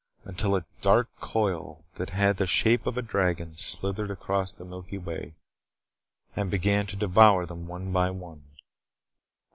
Until a dark coil that had the shape of a dragon slithered across the milky way and began to devour them one by one.